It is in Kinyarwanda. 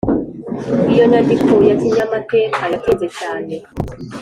iyo nyandiko ya kinyamateka, yatinze cyane